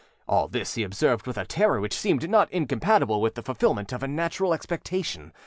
All this he observed with a terror which seemed not incompatible with the fulfillment of a natural expectation.